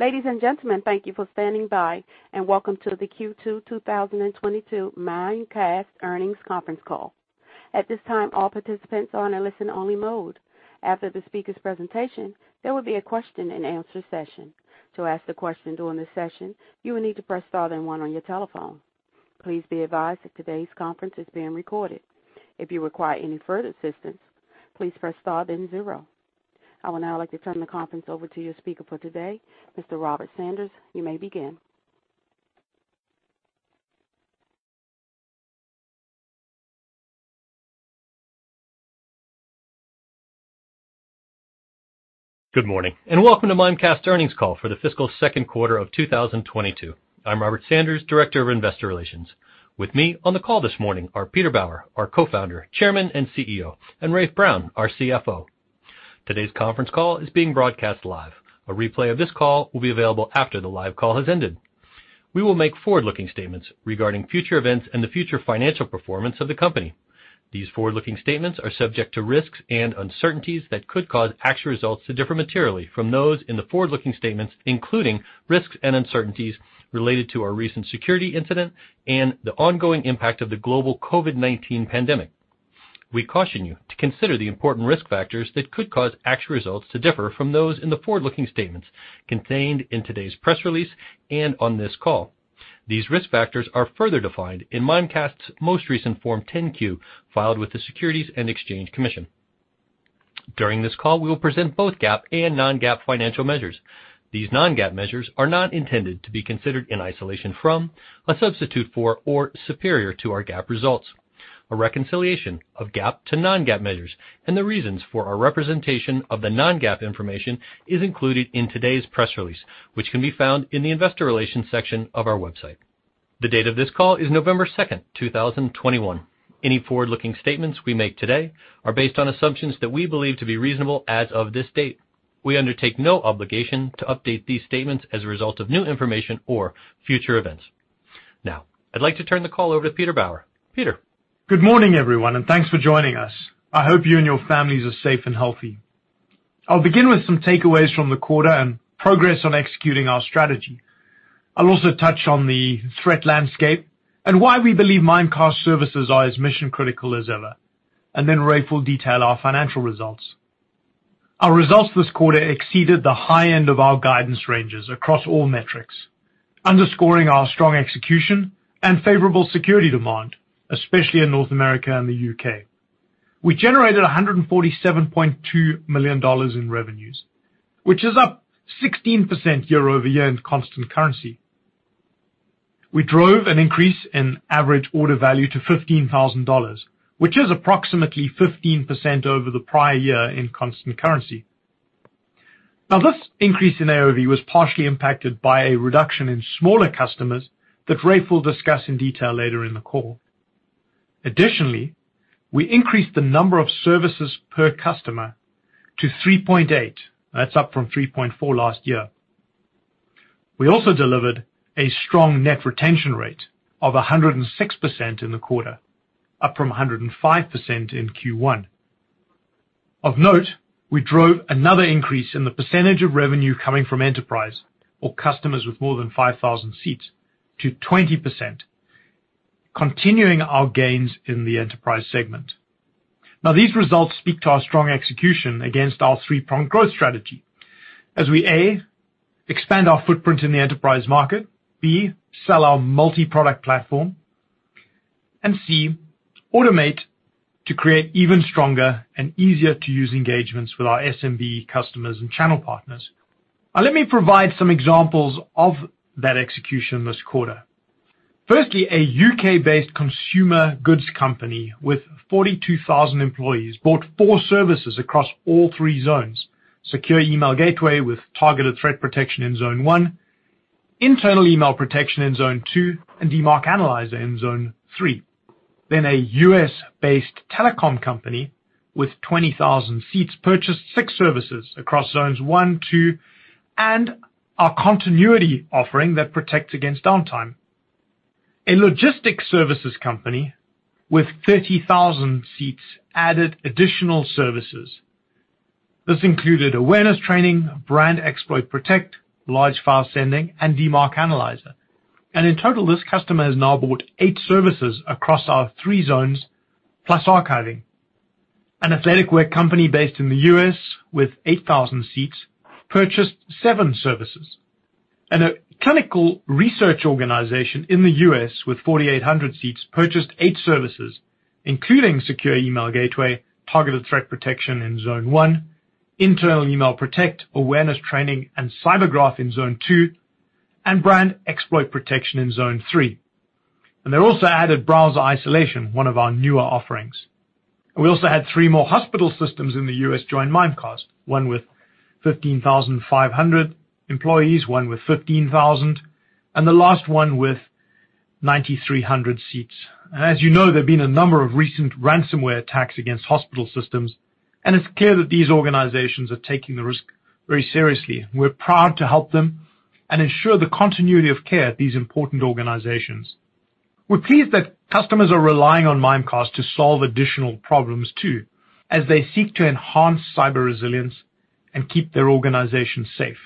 Ladies and gentlemen, thank you for standing by, and Welcome to the Q2 2022 Mimecast earnings conference call. At this time, all participants are in a listen-only mode. After the speakers' presentation, there will be a question-and-answer session. To ask a question during the session, you will need to press star then one on your telephone. Please be advised that today's conference is being recorded. If you require any further assistance, please press star then zero. I would now like to turn the conference over to your speaker for today, Mr. Robert Sanders. You may begin. Good morning, and Welcome to Mimecast earnings call for the fiscal second quarter of 2022. I'm Robert Sanders, Director of Investor Relations. With me on the call this morning are Peter Bauer, our Co-founder, Chairman, and CEO, and Rafe Brown, our CFO. Today's conference call is being broadcast live. A replay of this call will be available after the live call has ended. We will make forward-looking statements regarding future events and the future financial performance of the company. These forward-looking statements are subject to risks and uncertainties that could cause actual results to differ materially from those in the forward-looking statements, including risks and uncertainties related to our recent security incident and the ongoing impact of the global COVID-19 pandemic. We caution you to consider the important risk factors that could cause actual results to differ from those in the forward-looking statements contained in today's press release and on this call. These risk factors are further defined in Mimecast's most recent Form 10-Q filed with the Securities and Exchange Commission. During this call, we will present both GAAP and non-GAAP financial measures. These non-GAAP measures are not intended to be considered in isolation from, a substitute for, or superior to our GAAP results. A reconciliation of GAAP to non-GAAP measures and the reasons for our representation of the non-GAAP information is included in today's press release, which can be found in the investor relations section of our website. The date of this call is November 2nd, 2021. Any forward-looking statements we make today are based on assumptions that we believe to be reasonable as of this date. We undertake no obligation to update these statements as a result of new information or future events. Now, I'd like to turn the call over to Peter Bauer. Peter. Good morning, everyone, and thanks for joining us. I hope you and your families are safe and healthy. I'll begin with some takeaways from the quarter and progress on executing our strategy. I'll also touch on the threat landscape and why we believe Mimecast services are as mission-critical as ever, and then Rafe will detail our financial results. Our results this quarter exceeded the high end of our guidance ranges across all metrics, underscoring our strong execution and favorable security demand, especially in North America and the U.K. We generated $147.2 million in revenues, which is up 16% year-over-year in constant currency. We drove an increase in average order value to $15,000, which is approximately 15% over the prior year in constant currency. Now, this increase in AOV was partially impacted by a reduction in smaller customers that Rafe will discuss in detail later in the call. Additionally, we increased the number of services per customer to 3.8. That's up from 3.4 last year. We also delivered a strong net retention rate of 106% in the quarter, up from 105% in Q1. Of note, we drove another increase in the percentage of revenue coming from enterprise customers with more than 5,000 seats to 20%, continuing our gains in the enterprise segment. Now, these results speak to our strong execution against our three-pronged growth strategy as we, A, expand our footprint in the enterprise market, B, sell our multi-product platform, and C, automate to create even stronger and easier-to-use engagements with our SMB customers and channel partners. Now, let me provide some examples of that execution this quarter. Firstly, a U.K.-based consumer goods company with 42,000 employees bought four services across all three zones: Secure Email Gateway with Targeted Threat Protection in zone 1, Internal Email Protect in zone 2, and DMARC Analyzer in zone 3. A U.S.-based telecom company with 20,000 seats purchased six services across zones 1, zone 2, and our continuity offering that protects against downtime. A logistics services company with 30,000 seats added additional services. This included Awareness Training, Brand Exploit Protect, Large File Send, and DMARC Analyzer. In total, this customer has now bought 8 services across our three zones, plus Archiving. An athletic wear company based in the U.S. with 8,000 seats purchased seven services. A clinical research organization in the U.S. with 4,800 seats purchased eight services, including Secure Email Gateway, Targeted Threat Protection in Zone 1, Internal Email Protect, Awareness Training, and CyberGraph in Zone 2, and Brand Exploit Protect in Zone 3. They also added Browser Isolation, one of our newer offerings. We also had three more hospital systems in the U.S. join Mimecast, one with 15,500 employees, one with 15,000, and the last one with 9,300 seats. As you know, there have been a number of recent ransomware attacks against hospital systems, and it's clear that these organizations are taking the risk very seriously. We're proud to help them and ensure the continuity of care at these important organizations. We're pleased that customers are relying on Mimecast to solve additional problems too, as they seek to enhance cyber resilience and keep their organization safe.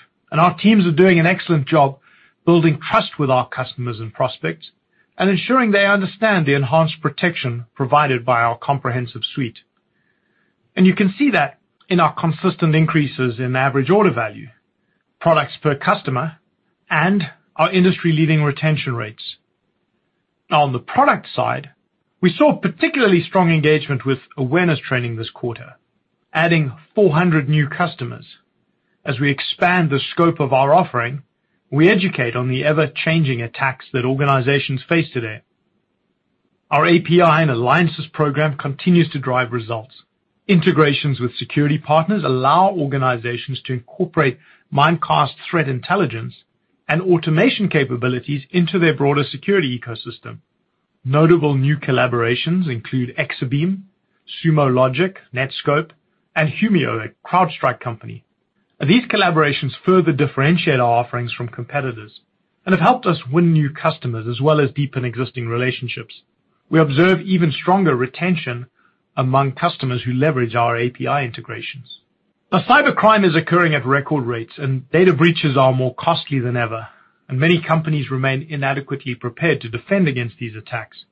Our teams are doing an excellent job building trust with our customers and prospects and ensuring they understand the enhanced protection provided by our comprehensive suite. You can see that in our consistent increases in average order value, products per customer, and our industry-leading retention rates. Now, on the product side, we saw particularly strong engagement with awareness training this quarter, adding 400 new customers. As we expand the scope of our offering, we educate on the ever-changing attacks that organizations face today. Our API and alliances program continues to drive results. Integrations with security partners allow organizations to incorporate Mimecast threat intelligence and automation capabilities into their broader security ecosystem. Notable new collaborations include Exabeam, Sumo Logic, Netskope, and Humio, a CrowdStrike company. These collaborations further differentiate our offerings from competitors and have helped us win new customers as well as deepen existing relationships. We observe even stronger retention among customers who leverage our API integrations. Now, cybercrime is occurring at record rates, and data breaches are more costly than ever, and many companies remain inadequately prepared to defend against these attacks.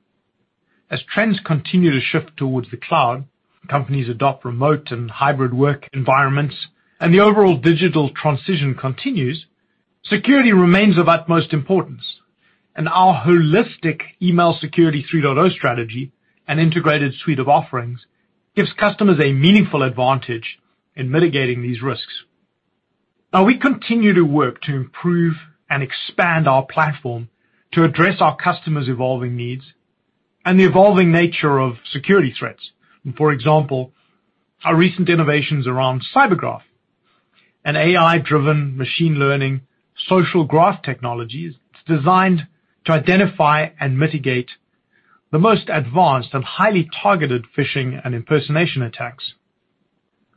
As trends continue to shift towards the cloud, companies adopt remote and hybrid work environments, and the overall digital transition continues, security remains of utmost importance. Our holistic Email Security 3.0 strategy and integrated suite of offerings gives customers a meaningful advantage in mitigating these risks. Now, we continue to work to improve and expand our platform to address our customers' evolving needs and the evolving nature of security threats. For example, our recent innovations around CyberGraph, an AI-driven machine learning social graph technologies designed to identify and mitigate the most advanced and highly targeted phishing and impersonation attacks.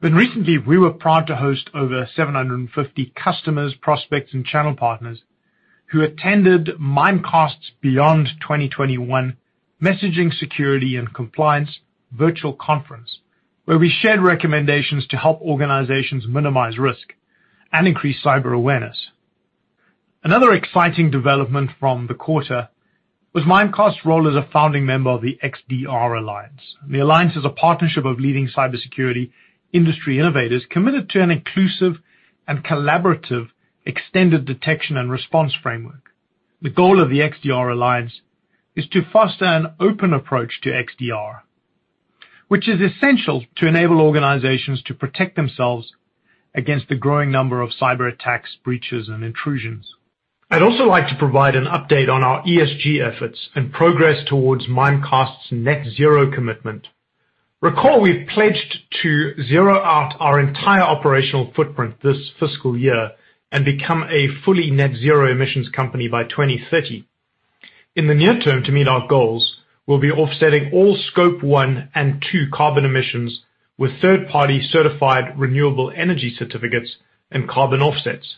Recently, we were proud to host over 750 customers, prospects, and channel partners who attended Mimecast's Beyond 2021 Messaging, Security, and Compliance virtual conference, where we shared recommendations to help organizations minimize risk and increase cyber awareness. Another exciting development from the quarter was Mimecast's role as a founding member of the XDR Alliance. The alliance is a partnership of leading cybersecurity industry innovators committed to an inclusive and collaborative extended detection and response framework. The goal of the XDR Alliance is to foster an open approach to XDR, which is essential to enable organizations to protect themselves against the growing number of cyberattacks, breaches, and intrusions. I'd also like to provide an update on our ESG efforts and progress towards Mimecast's net zero commitment. Recall we've pledged to zero out our entire operational footprint this fiscal year and become a fully net zero emissions company by 2030. In the near term, to meet our goals, we'll be offsetting all scope one and two carbon emissions with third-party certified renewable energy certificates and carbon offsets.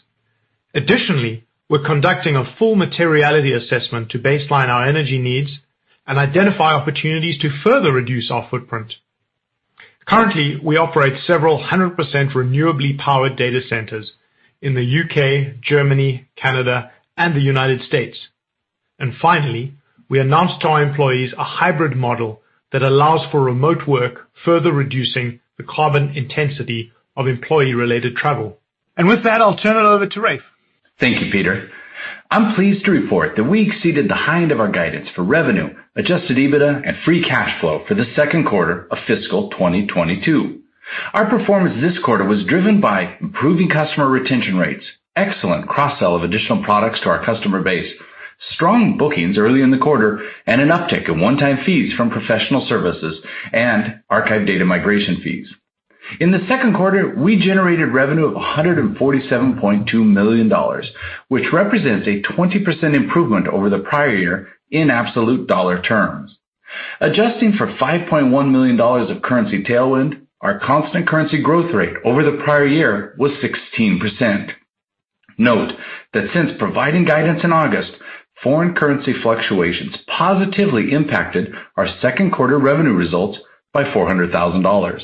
Additionally, we're conducting a full materiality assessment to baseline our energy needs and identify opportunities to further reduce our footprint. Currently, we operate several hundred% renewably powered data centers in the U.K., Germany, Canada, and the United States. Finally, we announced to our employees a hybrid model that allows for remote work, further reducing the carbon intensity of employee-related travel. With that, I'll turn it over to Rafe. Thank you, Peter. I'm pleased to report that we exceeded the high end of our guidance for revenue, adjusted EBITDA, and free cash flow for the second quarter of fiscal 2022. Our performance this quarter was driven by improving customer retention rates, excellent cross-sell of additional products to our customer base, strong bookings early in the quarter, and an uptick in one-time fees from professional services and archive data migration fees. In the second quarter, we generated revenue of $147.2 million, which represents a 20% improvement over the prior year in absolute dollar terms. Adjusting for $5.1 million of currency tailwind, our constant currency growth rate over the prior year was 16%. Note that since providing guidance in August, foreign currency fluctuations positively impacted our second quarter revenue results by $400,000.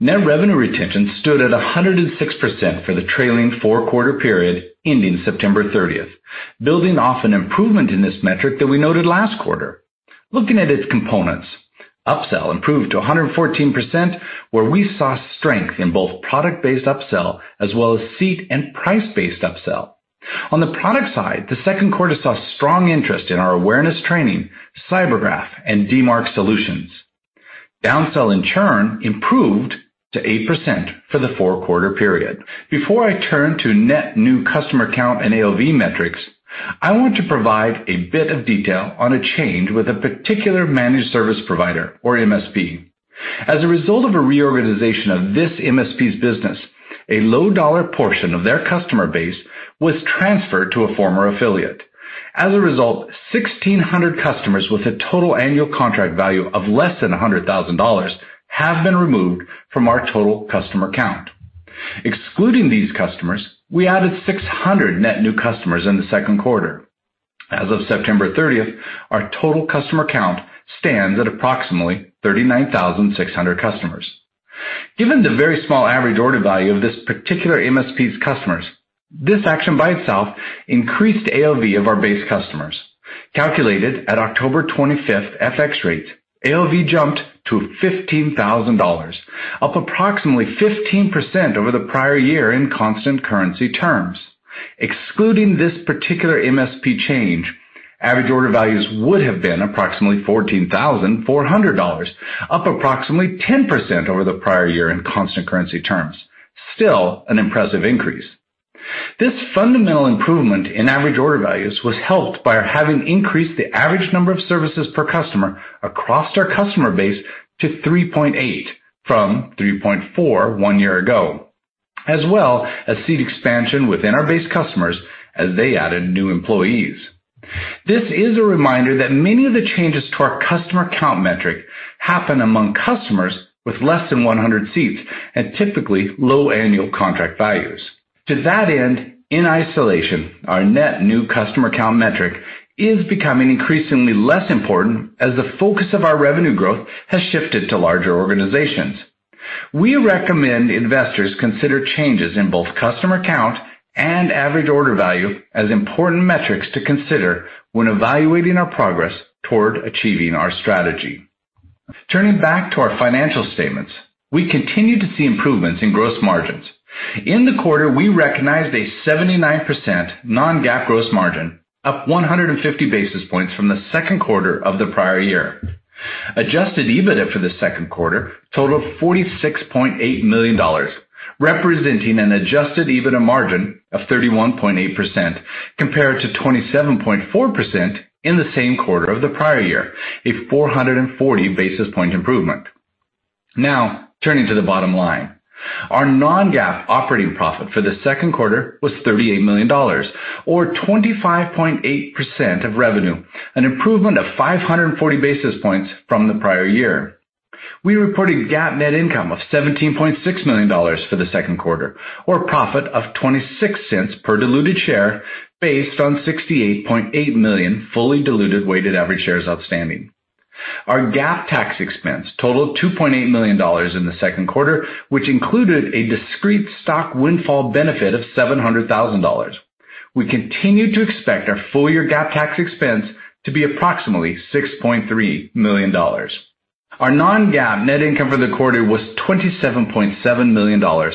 Net revenue retention stood at 106% for the trailing four-quarter period ending September 30th, building off an improvement in this metric that we noted last quarter. Looking at its components, upsell improved to 114%, where we saw strength in both product-based upsell as well as seat and price-based upsell. On the product side, the second quarter saw strong interest in our awareness training, CyberGraph, and DMARC solutions. Downsell and churn improved to 8% for the four-quarter period. Before I turn to net new customer count and AOV metrics, I want to provide a bit of detail on a change with a particular managed service provider or MSP. As a result of a reorganization of this MSP's business, a low-dollar portion of their customer base was transferred to a former affiliate. As a result, 1,600 customers with a total annual contract value of less than $100,000 have been removed from our total customer count. Excluding these customers, we added 600 net new customers in the second quarter. As of September 30th, our total customer count stands at approximately 39,600 customers. Given the very small average order value of this particular MSP's customers, this action by itself increased AOV of our base customers. Calculated at October 25th FX rates, AOV jumped to $15,000, up approximately 15% over the prior year in constant currency terms. Excluding this particular MSP change, average order values would have been approximately $14,400, up approximately 10% over the prior year in constant currency terms. Still an impressive increase. This fundamental improvement in average order values was helped by having increased the average number of services per customer across our customer base to 3.8 from 3.4 one year ago, as well as seat expansion within our base customers as they added new employees. This is a reminder that many of the changes to our customer count metric happen among customers with less than 100 seats and typically low annual contract values. To that end, in isolation, our net new customer count metric is becoming increasingly less important as the focus of our revenue growth has shifted to larger organizations. We recommend investors consider changes in both customer count and average order value as important metrics to consider when evaluating our progress toward achieving our strategy. Turning back to our financial statements, we continue to see improvements in gross margins. In the quarter, we recognized a 79% non-GAAP gross margin, up 150 basis points from the second quarter of the prior year. Adjusted EBITDA for the second quarter totaled $46.8 million, representing an adjusted EBITDA margin of 31.8% compared to 27.4% in the same quarter of the prior year, a 440 basis point improvement. Now, turning to the bottom line. Our non-GAAP operating profit for the second quarter was $38 million or 25.8% of revenue, an improvement of 540 basis points from the prior year. We reported GAAP net income of $17.6 million for the second quarter or profit of $0.26 per diluted share based on 68.8 million fully diluted weighted average shares outstanding. Our GAAP tax expense totaled $2.8 million in the second quarter, which included a discrete stock windfall benefit of $700,000. We continue to expect our full-year GAAP tax expense to be approximately $6.3 million. Our non-GAAP net income for the quarter was $27.7 million or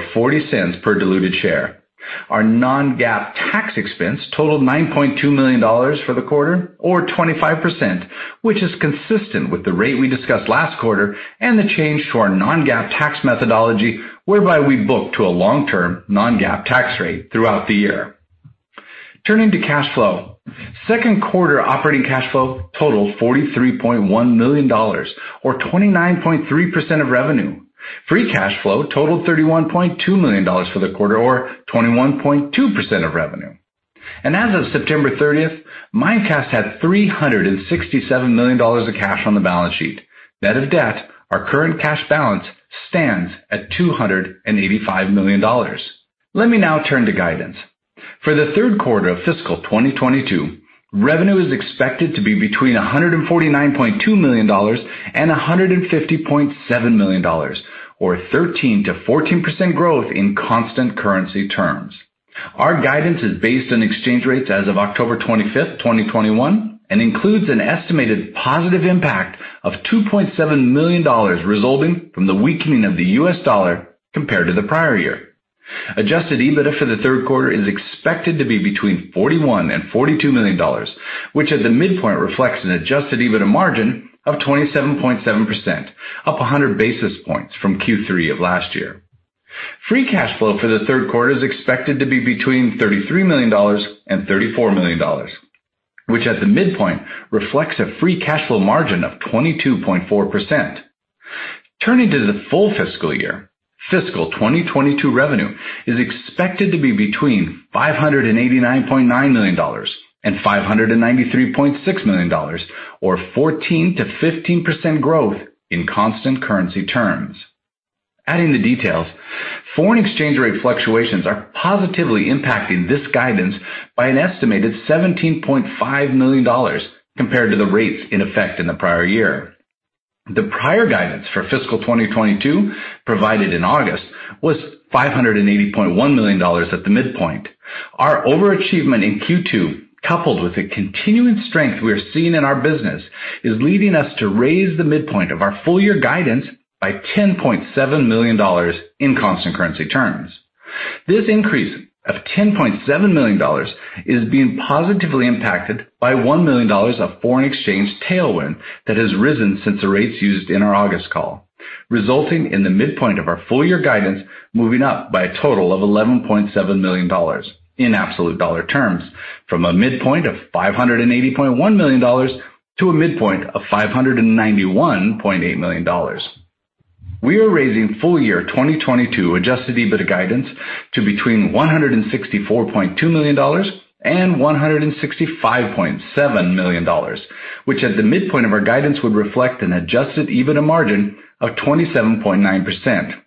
$0.40 per diluted share. Our non-GAAP tax expense totaled $9.2 million for the quarter or 25%, which is consistent with the rate we discussed last quarter and the change to our non-GAAP tax methodology, whereby we book to a long-term non-GAAP tax rate throughout the year. Turning to cash flow. Second quarter operating cash flow totaled $43.1 million or 29.3% of revenue. Free cash flow totaled $31.2 million for the quarter or 21.2% of revenue. As of September 30th, Mimecast had $367 million of cash on the balance sheet. Net of debt, our current cash balance stands at $285 million. Let me now turn to guidance. For the third quarter of fiscal 2022, revenue is expected to be between $149.2 million and $150.7 million or 13%-14% growth in constant currency terms. Our guidance is based on exchange rates as of October 25, 2021, and includes an estimated positive impact of $2.7 million resulting from the weakening of the U.S. dollar compared to the prior year. Adjusted EBITDA for the third quarter is expected to be between $41 million and $42 million, which at the midpoint reflects an adjusted EBITDA margin of 27.7%, up 100 basis points from Q3 of last year. Free cash flow for the third quarter is expected to be between $33 million and $34 million, which at the midpoint reflects a free cash flow margin of 22.4%. Turning to the full fiscal year, fiscal 2022 revenue is expected to be between $589.9 million and $593.6 million or 14%-15% growth in constant currency terms. Adding the details, foreign exchange rate fluctuations are positively impacting this guidance by an estimated $17.5 million compared to the rates in effect in the prior year. The prior guidance for fiscal 2022 provided in August was $580.1 million at the midpoint. Our overachievement in Q2, coupled with the continuing strength we are seeing in our business, is leading us to raise the midpoint of our full year guidance by $10.7 million in constant currency terms. This increase of $10.7 million is being positively impacted by $1 million of foreign exchange tailwind that has risen since the rates used in our August call, resulting in the midpoint of our full year guidance moving up by a total of $11.7 million in absolute dollar terms from a midpoint of $580.1 million to a midpoint of $591.8 million. We are raising full year 2022 Adjusted EBITDA guidance to between $164.2 million and $165.7 million, which at the midpoint of our guidance would reflect an Adjusted EBITDA margin of 27.9%.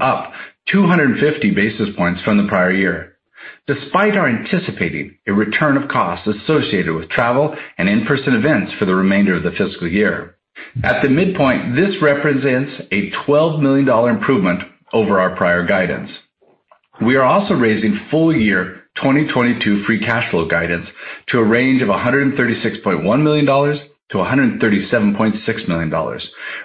Up 250 basis points from the prior year, despite our anticipating a return of costs associated with travel and in-person events for the remainder of the fiscal year. At the midpoint, this represents a $12 million improvement over our prior guidance. We are also raising full year 2022 free cash flow guidance to a range of $136.1 million to $137.6 million,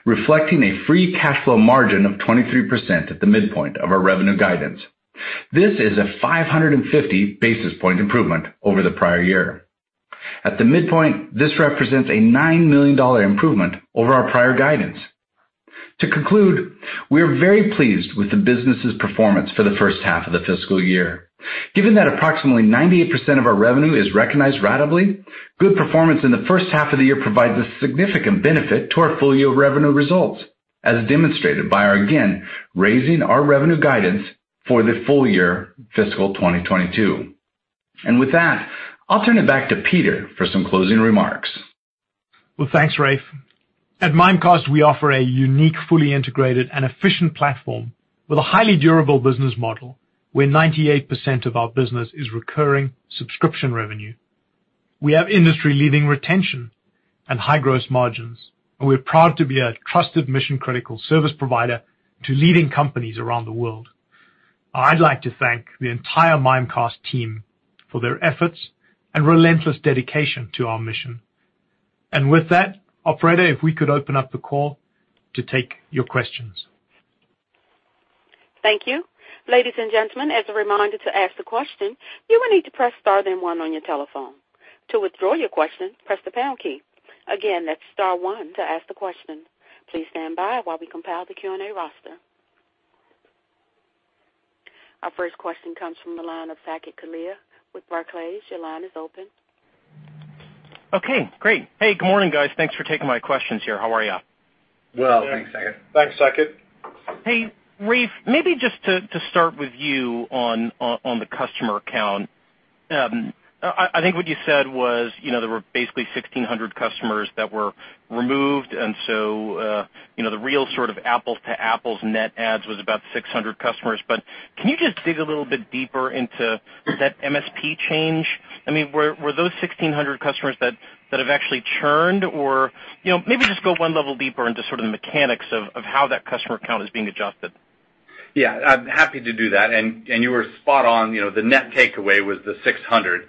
reflecting a free cash flow margin of 23% at the midpoint of our revenue guidance. This is a 550 basis point improvement over the prior year. At the midpoint, this represents a $9 million improvement over our prior guidance. To conclude, we are very pleased with the business's performance for the first half of the fiscal year. Given that approximately 98% of our revenue is recognized ratably, good performance in the first half of the year provides a significant benefit to our full-year revenue results, as demonstrated by our, again, raising our revenue guidance for the full year fiscal 2022. With that, I'll turn it back to Peter for some closing remarks. Well, thanks, Rafe. At Mimecast, we offer a unique, fully integrated and efficient platform with a highly durable business model where 98% of our business is recurring subscription revenue. We have industry-leading retention and high gross margins, and we're proud to be a trusted mission-critical service provider to leading companies around the world. I'd like to thank the entire Mimecast team for their efforts and relentless dedication to our mission. With that, operator, if we could open up the call to take your questions. Thank you. Ladies and gentlemen, as a reminder to ask the question, you will need to press star, then one on your telephone. To withdraw your question, press the pound key. Again, that's star one to ask the question. Please stand by while we compile the Q&A roster. Our first question comes from the line of Saket Kalia with Barclays. Your line is open. Okay, great. Hey, good morning, guys. Thanks for taking my questions here. How are you? Well, thanks, Saket. Thanks, Saket. Hey, Rafe, maybe just to start with you on the customer count. I think what you said was, you know, there were basically 1,600 customers that were removed, and so you know, the real sort of apples to apples net adds was about 600 customers. Can you just dig a little bit deeper into that MSP change? I mean, were those 1,600 customers that have actually churned or, you know, maybe just go one level deeper into sort of the mechanics of how that customer count is being adjusted. Yeah, I'm happy to do that. You were spot on, you know, the net takeaway was the 600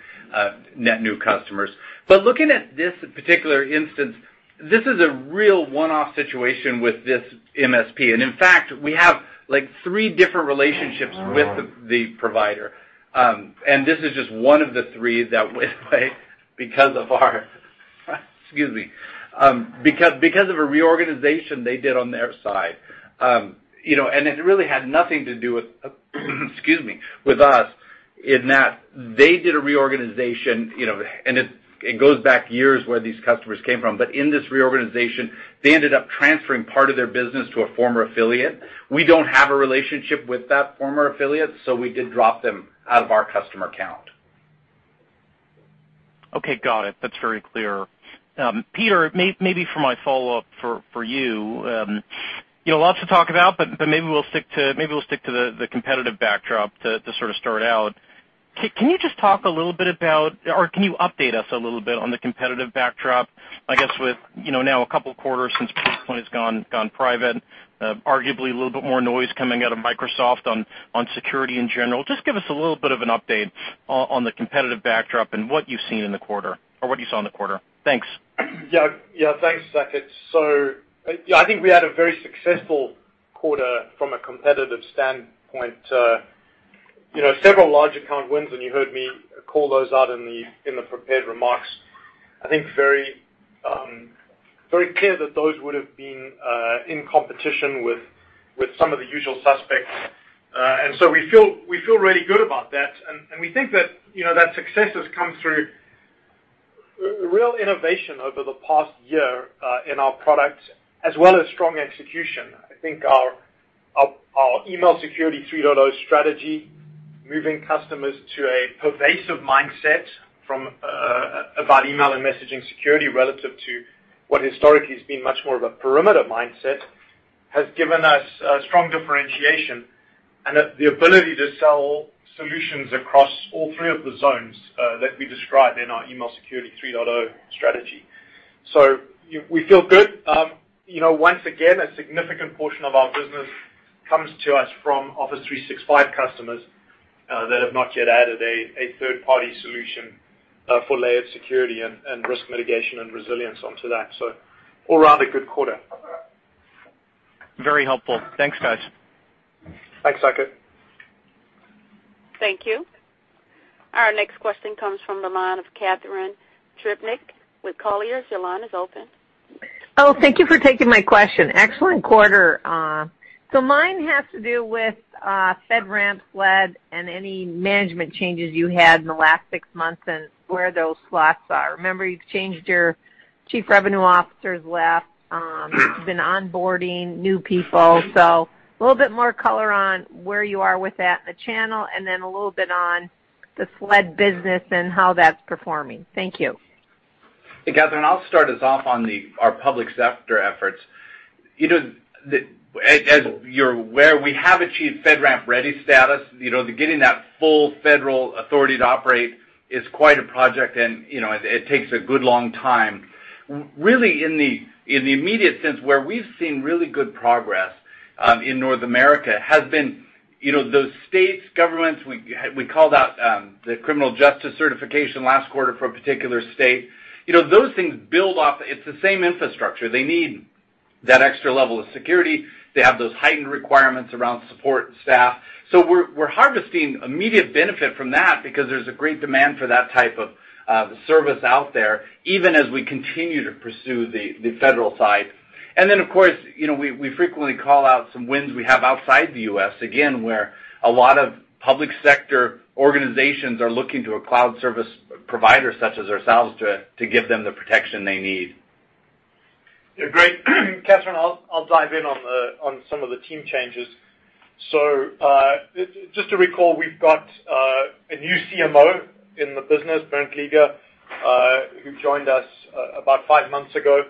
net new customers. Looking at this particular instance, this is a real one-off situation with this MSP. In fact, we have like three different relationships with the provider. This is just one of the three that went away because of a reorganization they did on their side. You know, it really had nothing to do with us in that they did a reorganization, you know, and it goes back years where these customers came from. In this reorganization, they ended up transferring part of their business to a former affiliate. We don't have a relationship with that former affiliate, so we did drop them out of our customer count. Okay, got it. That's very clear. Peter, maybe for my follow-up for you. You know, lots to talk about, but maybe we'll stick to the competitive backdrop to sort of start out. Can you just talk a little bit about or can you update us a little bit on the competitive backdrop, I guess, with you know, now a couple quarters since [inaudible] has gone private, arguably a little bit more noise coming out of Microsoft on security in general. Just give us a little bit of an update on the competitive backdrop and what you've seen in the quarter or what you saw in the quarter. Thanks. Thanks, Saket. I think we had a very successful quarter from a competitive standpoint. You know, several large account wins, and you heard me call those out in the prepared remarks. I think very clear that those would have been in competition with some of the usual suspects. We feel really good about that. We think that, you know, that success has come through real innovation over the past year in our product as well as strong execution. I think our Email Security 3.0 strategy, moving customers to a pervasive mindset from about email and messaging security relative to what historically has been much more of a perimeter mindset, has given us strong differentiation and the ability to sell solutions across all three of the zones that we described in our Email Security 3.0 strategy. We feel good. You know, once again, a significant portion of our business comes to us from Office 365 customers that have not yet added a third-party solution for layered security and risk mitigation and resilience onto that. All in all, a rather good quarter. Very helpful. Thanks, guys. Thanks, Saket. Thank you. Our next question comes from the line of Catherine Trebnick with Colliers. Your line is open. Oh, thank you for taking my question. Excellent quarter. Mine has to do with FedRAMP, SLED, and any management changes you had in the last six months and where those slots are. Remember you've changed your Chief Revenue Officer has left, been onboarding new people. A little bit more color on where you are with that in the channel, and then a little bit on the SLED business and how that's performing. Thank you. Hey, Catherine, I'll start us off on our public sector efforts. You know, as you're aware, we have achieved FedRAMP Ready status. You know, the getting that full federal authority to operate is quite a project, and, you know, it takes a good long time. Really in the immediate sense where we've seen really good progress in North America has been, you know, those state governments, we called out the criminal justice certification last quarter for a particular state. You know, those things build off. It's the same infrastructure. They need that extra level of security. They have those heightened requirements around support and staff. We're harvesting immediate benefit from that because there's a great demand for that type of service out there, even as we continue to pursue the federal side. Of course, you know, we frequently call out some wins we have outside the U.S., again, where a lot of public sector organizations are looking to a cloud service provider such as ourselves to give them the protection they need. Yeah, great. Catherine, I'll dive in on some of the team changes. Just to recall, we've got a new CMO in the business, Bernd Leger, who joined us about five months ago.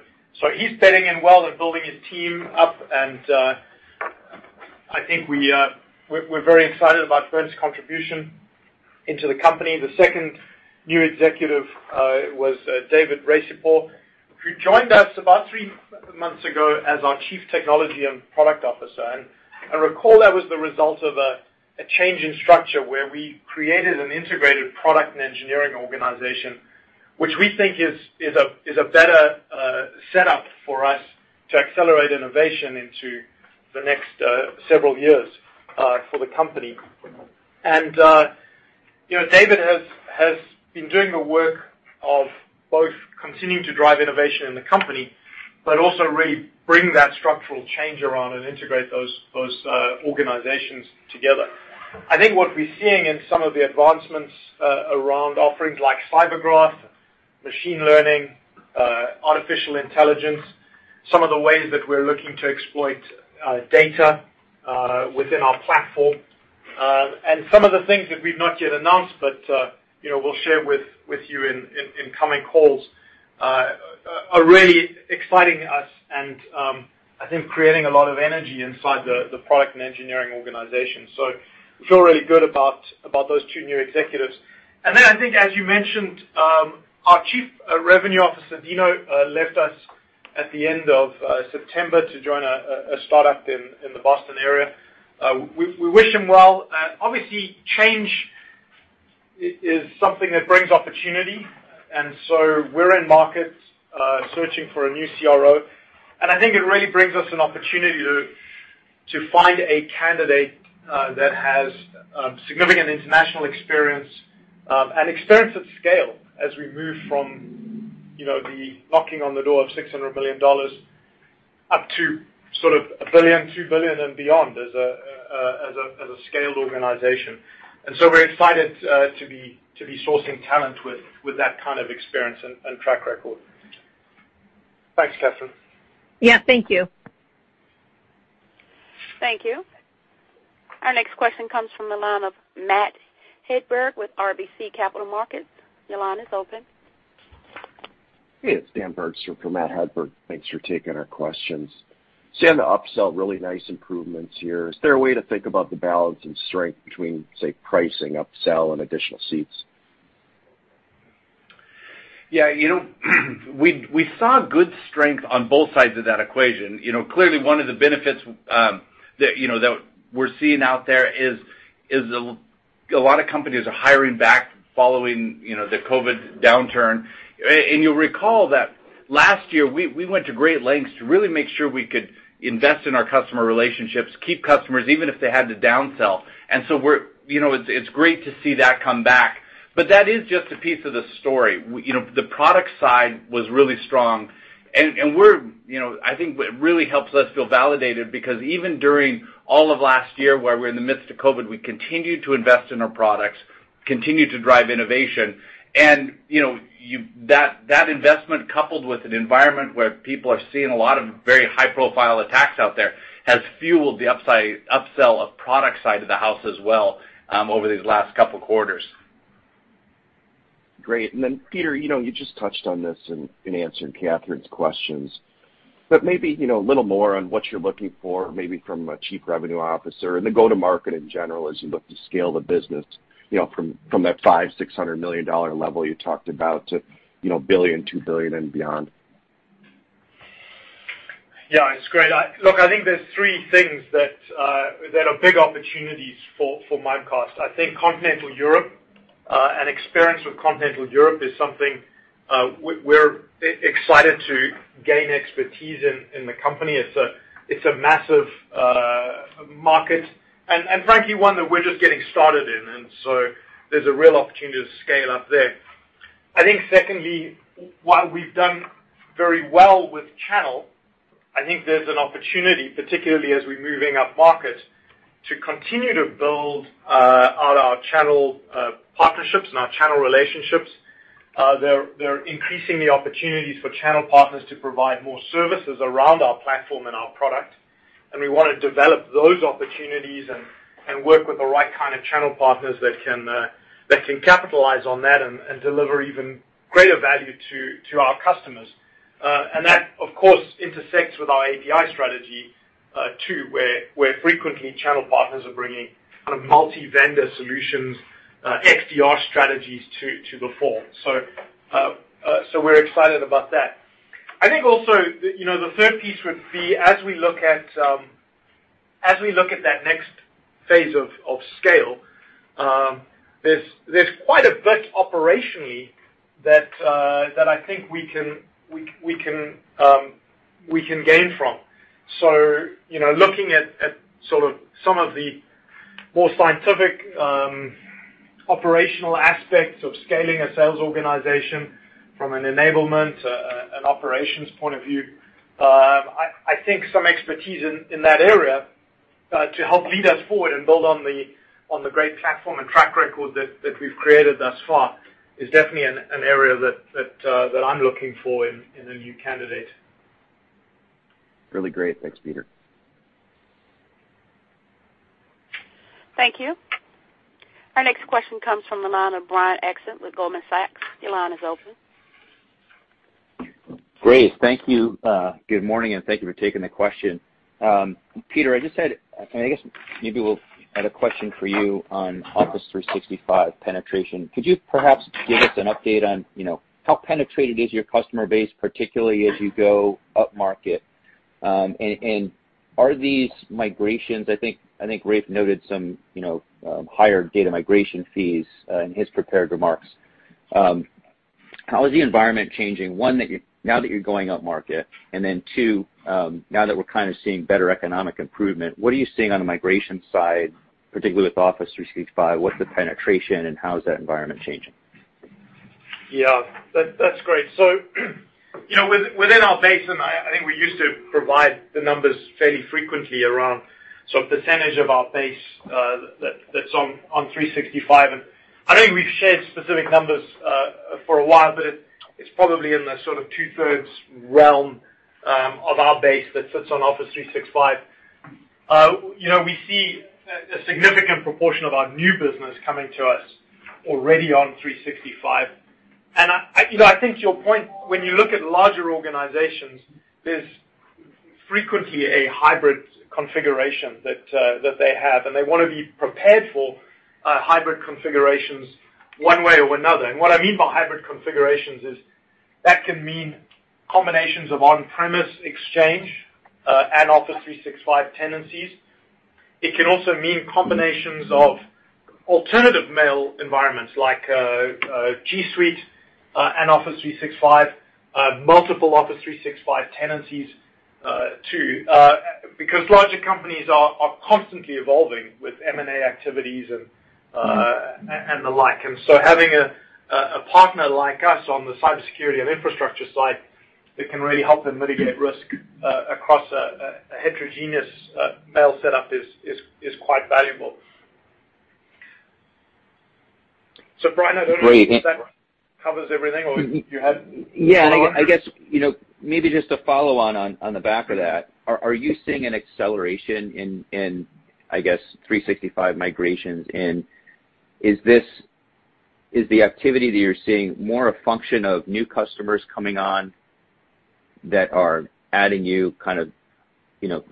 He's bedding in well and building his team up, and I think we're very excited about Bernd's contribution into the company. The second new executive was David Raissipour, who joined us about three months ago as our Chief Technology and Product Officer. I recall that was the result of a change in structure where we created an integrated product and engineering organization, which we think is a better setup for us to accelerate innovation into the next several years for the company. You know, David has been doing the work of both continuing to drive innovation in the company, but also really bring that structural change around and integrate those organizations together. I think what we're seeing in some of the advancements around offerings like CyberGraph, machine learning, artificial intelligence, some of the ways that we're looking to exploit data within our platform, and some of the things that we've not yet announced, but you know, we'll share with you in coming calls are really exciting us and I think creating a lot of energy inside the product and engineering organization. We feel really good about those two new executives. Then I think as you mentioned, our Chief Revenue Officer, Dino, left us at the end of September to join a startup in the Boston area. We wish him well. Obviously change is something that brings opportunity. We're in market searching for a new CRO. I think it really brings us an opportunity to find a candidate that has significant international experience and experience at scale as we move from, you know, the knocking on the door of $600 million up to sort of a $1 billion, $2 billion and beyond as a scaled organization. We're excited to be sourcing talent with that kind of experience and track record. Thanks, Catherine. Yeah. Thank you. Thank you. Our next question comes from the line of Matt Hedberg with RBC Capital Markets. Your line is open. Hey, it's Dan Bergstrom for Matt Hedberg. Thanks for taking our questions. Seeing the upsell, really nice improvements here. Is there a way to think about the balance and strength between, say, pricing, upsell, and additional seats? Yeah. You know, we saw good strength on both sides of that equation. You know, clearly one of the benefits that we're seeing out there is a lot of companies are hiring back following, you know, the COVID downturn. You'll recall that last year we went to great lengths to really make sure we could invest in our customer relationships, keep customers, even if they had to downsell. You know, it's great to see that come back. That is just a piece of the story. You know, the product side was really strong. I think what really helps us feel validated because even during all of last year, where we're in the midst of COVID, we continued to invest in our products, continued to drive innovation. You know, that investment coupled with an environment where people are seeing a lot of very high-profile attacks out there has fueled the upsell of product side of the house as well, over these last couple quarters. Great. Peter, you know, you just touched on this in answering Catherine's questions, but maybe, you know, a little more on what you're looking for maybe from a chief revenue officer and the go-to-market in general as you look to scale the business, you know, from that $500-$600 million level you talked about to, you know, $1 billion-$2 billion and beyond? Yeah, it's great. Look, I think there's three things that are big opportunities for Mimecast. I think continental Europe and experience with continental Europe is something we're excited to gain expertise in in the company. It's a massive market and frankly one that we're just getting started in. There's a real opportunity to scale up there. I think secondly, while we've done very well with channel, I think there's an opportunity, particularly as we're moving upmarket, to continue to build out our channel partnerships and our channel relationships. They're increasing the opportunities for channel partners to provide more services around our platform and our product. We wanna develop those opportunities and work with the right kind of channel partners that can capitalize on that and deliver even greater value to our customers. That, of course, intersects with our API strategy, too, where frequently channel partners are bringing kind of multi-vendor solutions, XDR strategies to the fore. We're excited about that. I think also, you know, the third piece would be as we look at that next phase of scale, there's quite a bit operationally that I think we can gain from. You know, looking at sort of some of the more scientific operational aspects of scaling a sales organization from an enablement and operations point of view, I think some expertise in that area to help lead us forward and build on the great platform and track record that we've created thus far is definitely an area that I'm looking for in a new candidate. Really great. Thanks, Peter. Thank you. Our next question comes from the line of Brian Essex with Goldman Sachs. Your line is open. Great. Thank you. Good morning, and thank you for taking the question. Peter, I guess maybe we'll add a question for you on Office 365 penetration. Could you perhaps give us an update on, you know, how penetrated is your customer base, particularly as you go upmarket? Are these migrations? I think Rafe noted some, you know, higher data migration fees in his prepared remarks. How is the environment changing, one, now that you're going upmarket, and then two, now that we're kinda seeing better economic improvement, what are you seeing on the migration side, particularly with Office 365? What's the penetration and how is that environment changing? Yeah. That's great. You know, within our base, I think we used to provide the numbers fairly frequently around sort of percentage of our base that's on 365. I don't think we've shared specific numbers for a while, but it's probably in the sort of two-thirds realm of our base that sits on Office 365. You know, we see a significant proportion of our new business coming to us already on 365. I think to your point, when you look at larger organizations, there's frequently a hybrid configuration that they have, and they wanna be prepared for hybrid configurations one way or another. What I mean by hybrid configurations is that can mean combinations of on-premise Exchange and Office 365 tenancies. It can also mean combinations of alternative mail environments like G Suite and Office 365, multiple Office 365 tenancies too, because larger companies are constantly evolving with M&A activities and the like. Having a partner like us on the cybersecurity and infrastructure side that can really help them mitigate risk across a heterogeneous mail setup is quite valuable. Brian, I don't know if that covers everything or you had a follow-up? Yeah. I guess, you know, maybe just to follow on the back of that, are you seeing an acceleration in, I guess, 365 migrations? Is the activity that you're seeing more a function of new customers coming on that are adding you kind of, you know,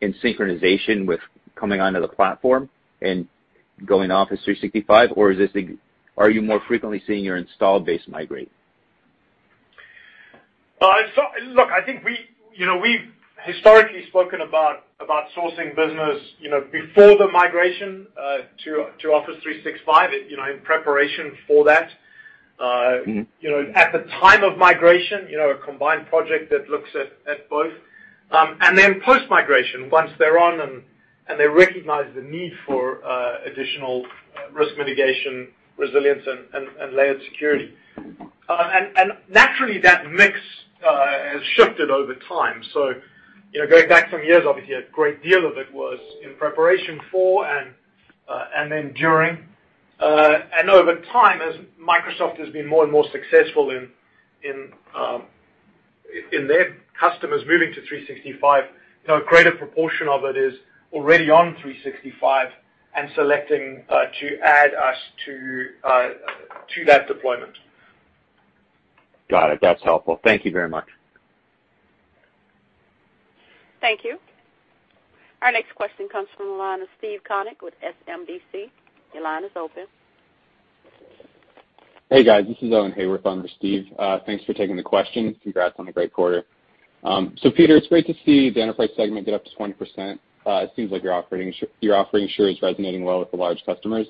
in synchronization with coming onto the platform and going Office 365? Or are you more frequently seeing your installed base migrate? Well, look, I think we, you know, we've historically spoken about sourcing business, you know, before the migration to Office 365, you know, in preparation for that, you know, at the time of migration, you know, a combined project that looks at both. Then post-migration, once they're on and they recognize the need for additional risk mitigation, resilience and layered security. Naturally, that mix has shifted over time. You know, going back some years, obviously, a great deal of it was in preparation for and then during. Over time, as Microsoft has been more and more successful in their customers moving to 365, you know, a greater proportion of it is already on 365 and selecting to add us to that deployment. Got it. That's helpful. Thank you very much. Thank you. Our next question comes from the line of Steve Koenig with SMBC. Your line is open. Hey, guys. This is Owen Haworth on for Steve. Thanks for taking the question. Congrats on a great quarter. Peter, it's great to see the enterprise segment get up to 20%. It seems like your offering sure is resonating well with the large customers.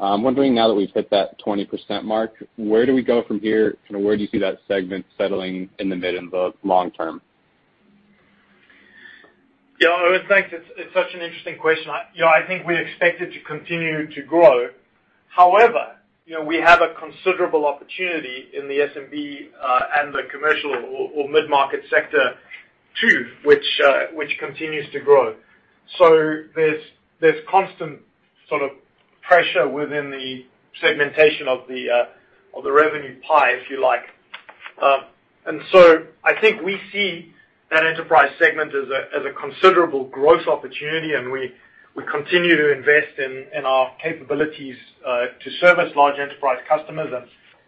Wondering now that we've hit that 20% mark, where do we go from here, and where do you see that segment settling in the mid and the long term? Yeah. Owen, thanks. It's such an interesting question. You know, I think we expect it to continue to grow. However, you know, we have a considerable opportunity in the SMB, and the commercial or mid-market sector too, which continues to grow. There's constant sort of pressure within the segmentation of the revenue pie, if you like. I think we see that enterprise segment as a considerable growth opportunity, and we continue to invest in our capabilities to service large enterprise customers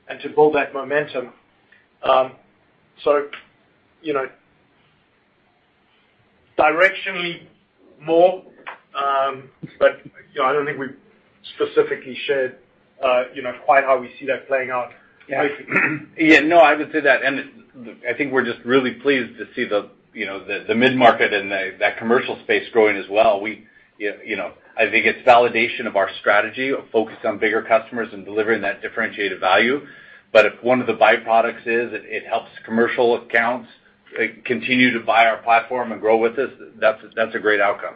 and to build that momentum. You know, directionally more, but, you know, I don't think we've specifically shared, you know, quite how we see that playing out. Yeah. Yeah, no, I would say that. I think we're just really pleased to see you know, the mid-market and that commercial space growing as well. You know, I think it's validation of our strategy of focus on bigger customers and delivering that differentiated value. If one of the byproducts is it helps commercial accounts, like, continue to buy our platform and grow with us, that's a great outcome.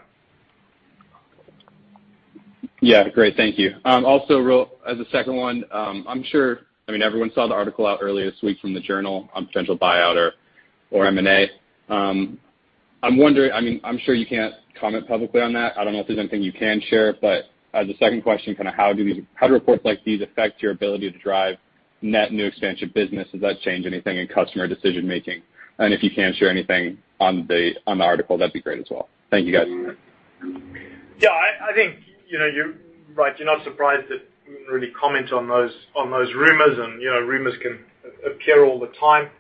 Yeah, great. Thank you. As a second one, I'm sure, I mean, everyone saw the article out earlier this week from the journal on potential buyout or M&A. I'm wondering, I mean, I'm sure you can't comment publicly on that. I don't know if there's anything you can share, but as a second question, kinda how do reports like these affect your ability to drive net new expansion business? Does that change anything in customer decision-making? If you can share anything on the article, that'd be great as well. Thank you guys. Yeah, I think, you know, you're right. You're not surprised that we wouldn't really comment on those rumors and, you know, rumors can appear all the time.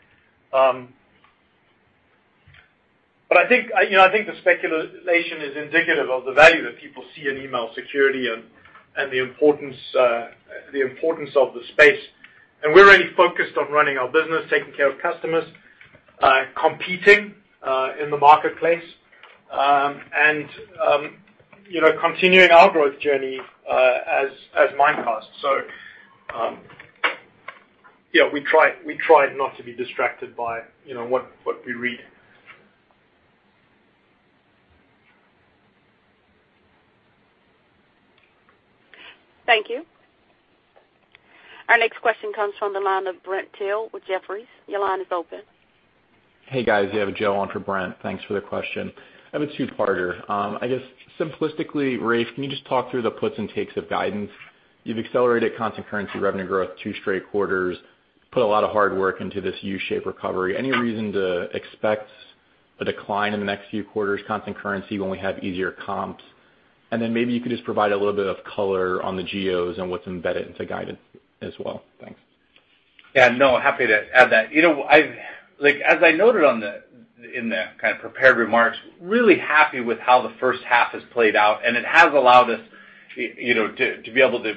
But I think, you know, I think the speculation is indicative of the value that people see in email security and the importance of the space. We're really focused on running our business, taking care of customers, competing in the marketplace and, you know, continuing our growth journey as Mimecast. Yeah, we try not to be distracted by, you know, what we read. Thank you. Our next question comes from the line of Brent Thill with Jefferies. Your line is open. Hey, guys, you have Joe on for Brent. Thanks for the question. I have a two-parter. I guess simplistically, Rafe, can you just talk through the puts and takes of guidance? You've accelerated constant currency revenue growth two straight quarters, put a lot of hard work into this U-shape recovery. Any reason to expect a decline in the next few quarters, constant currency, when we have easier comps? Maybe you could just provide a little bit of color on the geos and what's embedded into guidance as well. Thanks. Yeah, no, happy to add that. You know, like, as I noted in the kind of prepared remarks, really happy with how the first half has played out, and it has allowed us, you know, to be able to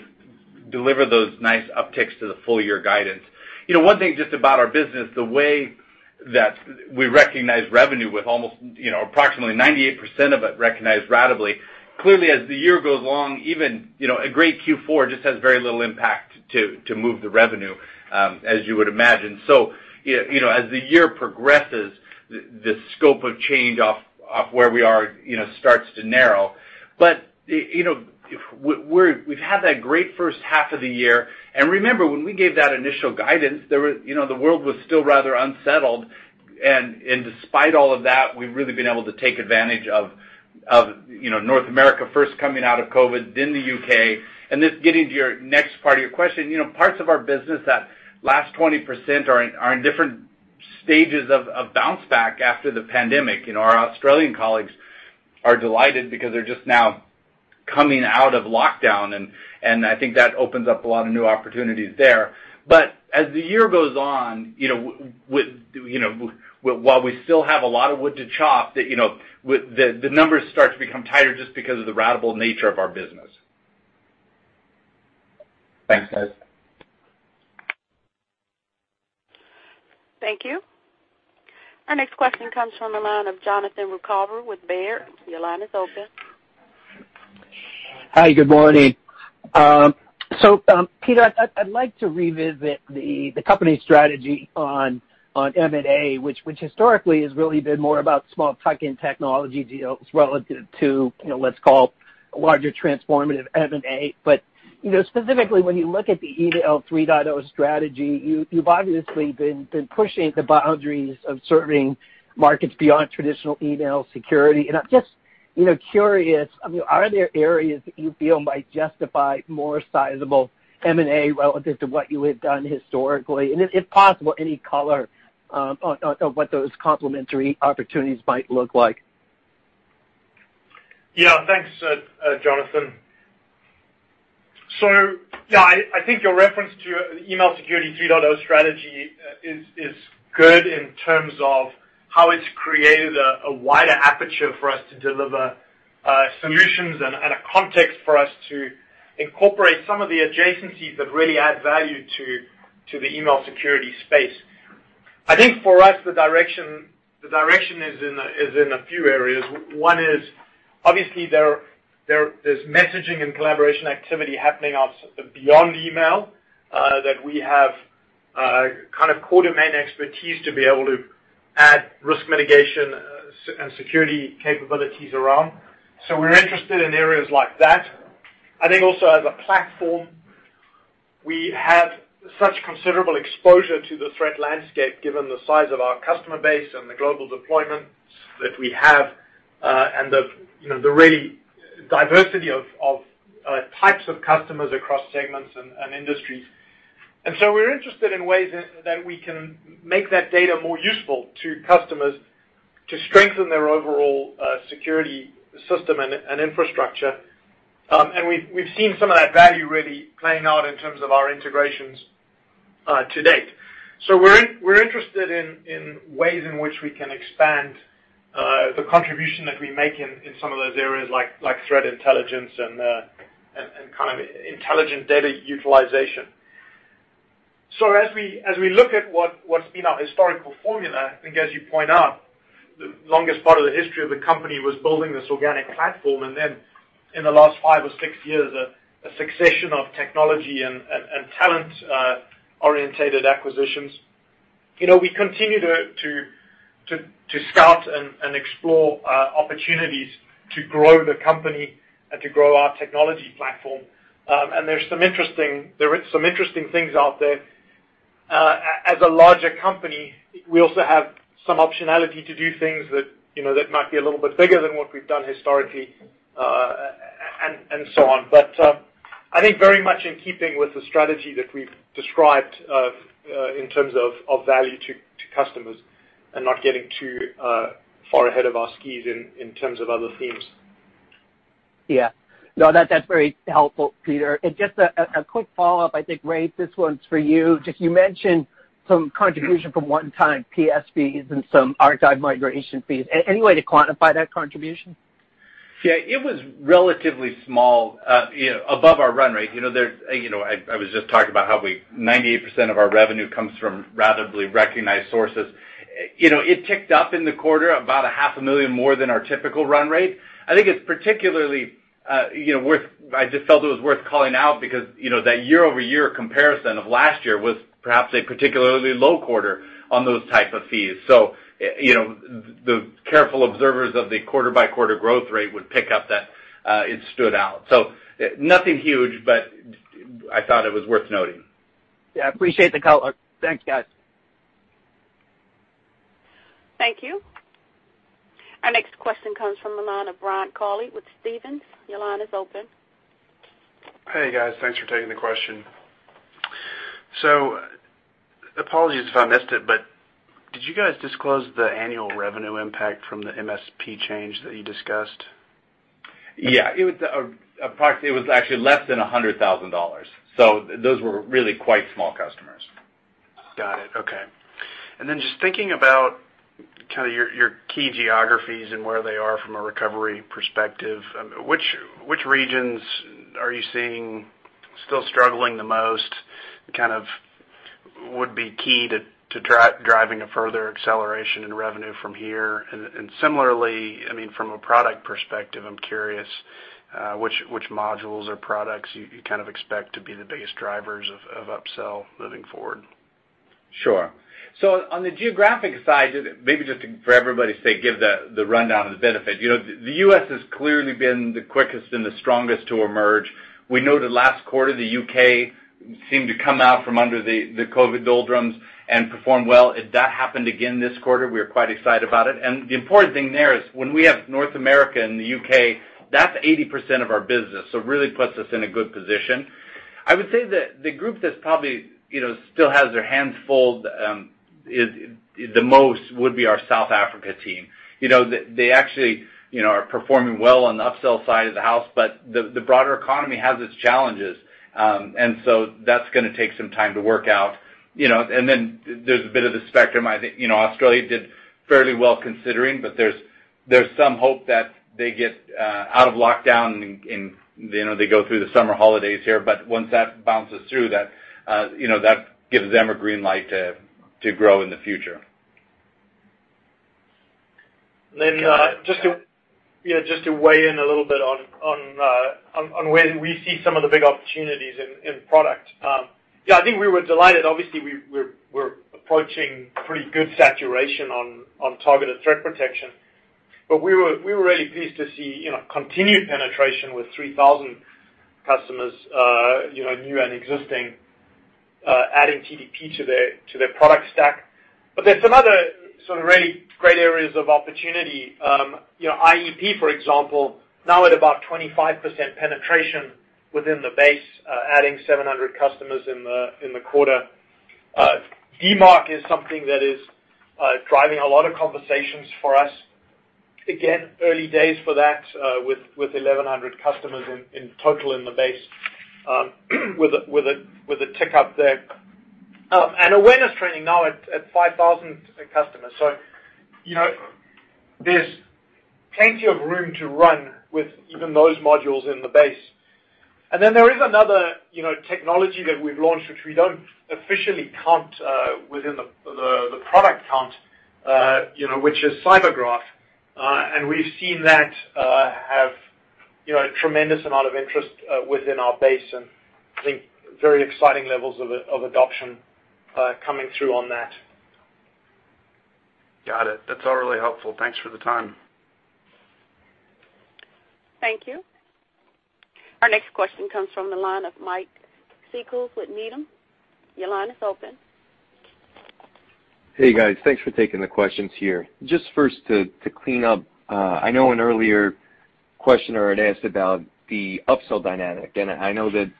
deliver those nice upticks to the full year guidance. You know, one thing just about our business, the way that we recognize revenue with almost, you know, approximately 98% of it recognized ratably, clearly as the year goes along, even, you know, a great Q4 just has very little impact to move the revenue, as you would imagine. You know, as the year progresses, the scope of change off where we are, you know, starts to narrow. You know, we've had that great first half of the year. Remember, when we gave that initial guidance, there were, you know, the world was still rather unsettled. Despite all of that, we've really been able to take advantage of, you know, North America first coming out of COVID, then the U.K. This getting to your next part of your question, you know, parts of our business, that last 20% are in different stages of bounce back after the pandemic. You know, our Australian colleagues are delighted because they're just now coming out of lockdown, and I think that opens up a lot of new opportunities there. As the year goes on, you know, while we still have a lot of wood to chop, you know, the numbers start to become tighter just because of the ratable nature of our business. Thanks, guys. Thank you. Our next question comes from the line of Jonathan Ruykhaver with Baird. Your line is open. Hi, good morning. Peter, I'd like to revisit the company strategy on M&A, which historically has really been more about small tuck-in technology deals relative to, you know, let's call larger transformative M&A. You know, specifically when you look at the Email 3.0 strategy, you've obviously been pushing the boundaries of serving markets beyond traditional email security. I'm just, you know, curious, I mean, are there areas that you feel might justify more sizable M&A relative to what you had done historically? If possible, any color on what those complementary opportunities might look like. Yeah. Thanks, Jonathan. Yeah, I think your reference to Email Security 3.0 strategy is good in terms of how it's created a wider aperture for us to deliver solutions and a context for us to incorporate some of the adjacencies that really add value to the email security space. I think for us, the direction is in a few areas. One is, obviously, there is messaging and collaboration activity happening off beyond email that we have kind of core domain expertise to be able to add risk mitigation and security capabilities around. We're interested in areas like that. I think also, as a platform, we have such considerable exposure to the threat landscape, given the size of our customer base and the global deployment that we have, and the, you know, the real diversity of types of customers across segments and industries. We're interested in ways that we can make that data more useful to customers to strengthen their overall security system and infrastructure. We've seen some of that value really playing out in terms of our integrations to date. We're interested in ways in which we can expand the contribution that we make in some of those areas like threat intelligence and kind of intelligent data utilization. As we look at what's been our historical formula, I think as you point out, the longest part of the history of the company was building this organic platform, and then in the last five or six years, a succession of technology and talent oriented acquisitions. You know, we continue to scout and explore opportunities to grow the company and to grow our technology platform. And there are some interesting things out there. As a larger company, we also have some optionality to do things that, you know, that might be a little bit bigger than what we've done historically, and so on. I think very much in keeping with the strategy that we've described in terms of value to customers and not getting too far ahead of our skis in terms of other themes. Yeah. No, that's very helpful, Peter. Just a quick follow-up, I think, Rafe, this one's for you. Just you mentioned some contribution from one-time PS fees and some archive migration fees. Any way to quantify that contribution? Yeah, it was relatively small, above our run rate. You know, I was just talking about how 98% of our revenue comes from ratably recognized sources. You know, it ticked up in the quarter about half a million more than our typical run rate. I think it's particularly worth calling out because that year-over-year comparison of last year was perhaps a particularly low quarter on those type of fees. You know, the careful observers of the quarter-by-quarter growth rate would pick up that it stood out. Nothing huge, but I thought it was worth noting. Yeah, I appreciate the call. Thanks, guys. Thank you. Our next question comes from the line of Brian Colley with Stephens. Your line is open. Hey, guys. Thanks for taking the question. Apologies if I missed it, but did you guys disclose the annual revenue impact from the MSP change that you discussed? Yeah. It was actually less than $100,000. So those were really quite small customers. Got it. Okay. Then just thinking about kinda your key geographies and where they are from a recovery perspective, which regions are you seeing still struggling the most, kind of would be key to driving a further acceleration in revenue from here? Similarly, I mean, from a product perspective, I'm curious, which modules or products you kind of expect to be the biggest drivers of upsell moving forward? Sure. On the geographic side, maybe just to, for everybody's sake, give the rundown of the benefit. You know, the U.S. has clearly been the quickest and the strongest to emerge. We know that last quarter, the U.K. seemed to come out from under the COVID doldrums and performed well. That happened again this quarter. We are quite excited about it. The important thing there is when we have North America and the U.K., that's 80% of our business, so it really puts us in a good position. I would say that the group that's probably, you know, still has their hands full is the most would be our South Africa team. You know, they actually, you know, are performing well on the upsell side of the house, but the broader economy has its challenges. That's gonna take some time to work out, you know. Then there's a bit of the spectrum. I think, you know, Australia did fairly well considering, but there's some hope that they get out of lockdown and, you know, they go through the summer holidays here. But once that bounces through that, you know, that gives them a green light to grow in the future. Just to weigh in a little bit on where we see some of the big opportunities in product. Yeah, I think we were delighted. Obviously, we're approaching pretty good saturation on Targeted Threat Protection. We were really pleased to see, you know, continued penetration with 3,000 customers, new and existing, adding TDP to their product stack. There's some other sort of really great areas of opportunity. You know, IEP, for example, now at about 25% penetration within the base, adding 700 customers in the quarter. DMARC is something that is driving a lot of conversations for us. Again, early days for that, with 1,100 customers in total in the base, with a tick up there. Awareness training now at 5,000 customers. You know, there's plenty of room to run with even those modules in the base. Then there is another, you know, technology that we've launched, which we don't officially count within the product count, you know, which is CyberGraph. And we've seen that have a tremendous amount of interest within our base, and I think very exciting levels of adoption coming through on that. Got it. That's all really helpful. Thanks for the time. Thank you. Our next question comes from the line of Mike Cikos with Needham. Your line is open. Hey, guys. Thanks for taking the questions here. Just first to clean up, I know an earlier questioner had asked about the upsell dynamic, and I know that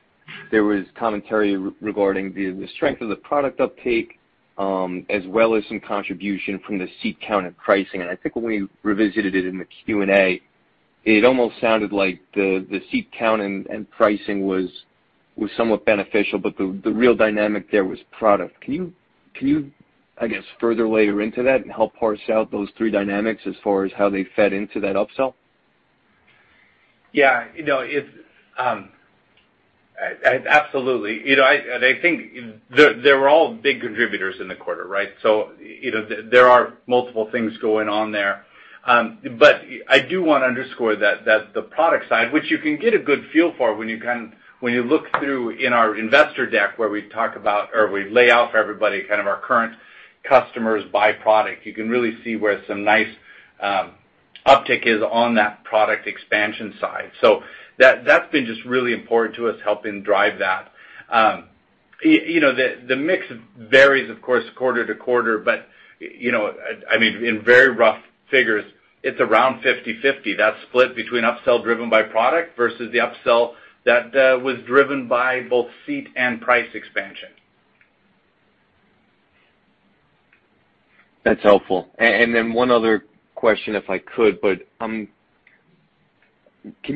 there was commentary regarding the strength of the product uptake, as well as some contribution from the seat count and pricing. I think when we revisited it in the Q&A, it almost sounded like the seat count and pricing was somewhat beneficial, but the real dynamic there was product. Can you, I guess, further layer into that and help parse out those three dynamics as far as how they fed into that upsell? Yeah. You know, it's absolutely. You know, I think they were all big contributors in the quarter, right? You know, there are multiple things going on there. But I do wanna underscore that the product side, which you can get a good feel for when you look through our investor deck, where we talk about or we lay out for everybody kind of our current customers by product, you can really see where some nice uptick is on that product expansion side. That's been just really important to us helping drive that. You know, the mix varies, of course, quarter to quarter, but you know, I mean, in very rough figures, it's around 50/50. That's split between upsell driven by product versus the upsell that was driven by both seat and price expansion. That's helpful. Then one other question if I could, but can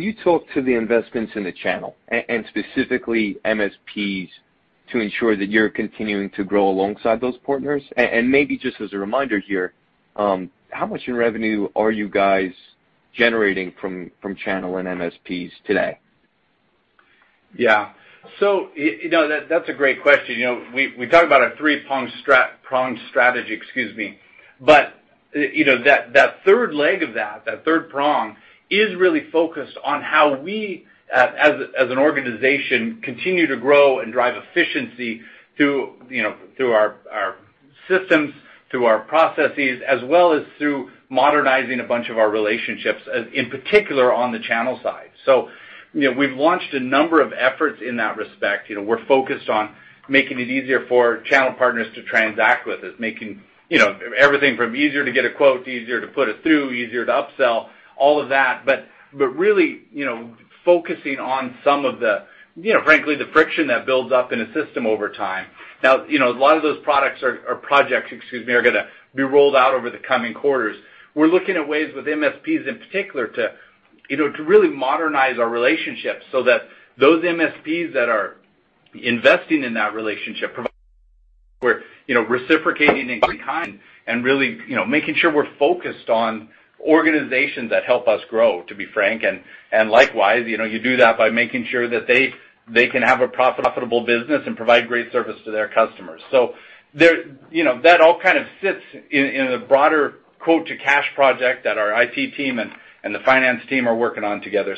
you talk to the investments in the channel and specifically MSPs to ensure that you're continuing to grow alongside those partners? Maybe just as a reminder here, how much in revenue are you guys generating from channel and MSPs today? Yeah. You know, that's a great question. You know, we talk about our three-pronged strategy, excuse me. You know, that third leg of that third prong is really focused on how we, as an organization, continue to grow and drive efficiency through you know through our systems, through our processes, as well as through modernizing a bunch of our relationships in particular on the channel side. You know, we've launched a number of efforts in that respect. You know, we're focused on making it easier for channel partners to transact with us, making you know everything from easier to get a quote, easier to put it through, easier to upsell, all of that. Really, you know, focusing on some of the you know frankly the friction that builds up in a system over time. Now, you know, a lot of those products are projects, excuse me, gonna be rolled out over the coming quarters. We're looking at ways with MSPs in particular to, you know, to really modernize our relationships so that those MSPs that are investing in that relationship provide, we're, you know, reciprocating in kind and really, you know, making sure we're focused on organizations that help us grow, to be frank. Likewise, you know, you do that by making sure that they can have a profitable business and provide great service to their customers. There, you know, that all kind of sits in the broader quote to cash project that our IT team and the finance team are working on together.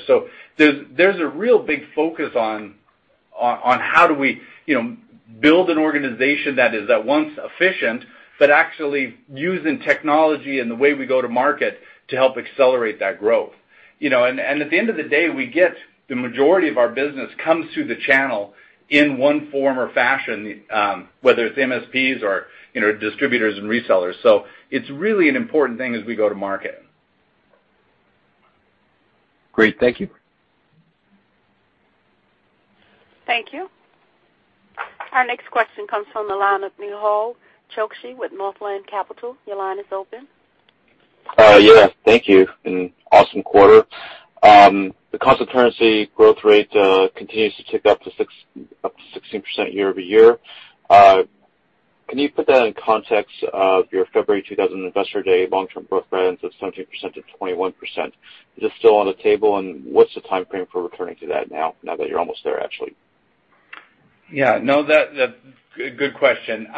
There's a real big focus on how do we, you know, build an organization that is at once efficient, but actually using technology and the way we go to market to help accelerate that growth. You know, and at the end of the day, we get the majority of our business comes through the channel in one form or fashion, whether it's MSPs or, you know, distributors and resellers. It's really an important thing as we go to market. Great. Thank you. Thank you. Our next question comes from the line of Nehal Chokshi with Northland Capital. Your line is open. Yeah, thank you, awesome quarter. The constant currency growth rate continues to tick up to 16% year-over-year. Can you put that in context of your February 2020 investor day long-term growth plans of 17%-21%? Is it still on the table, and what's the timeframe for returning to that now that you're almost there, actually? Yeah. No, that's a good question.